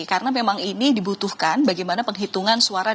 karena memang ini dibutuhkan bagaimana penghitungan suara